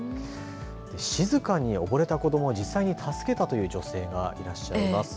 静かに溺れた子ども実際に助けたという女性がいらっしゃいます。